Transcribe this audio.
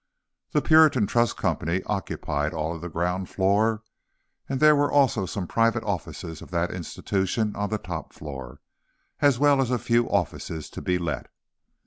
The Puritan Trust Company occupied all of the ground floor and there were also some of the private offices of that institution on the top floor, as well as a few offices to be let.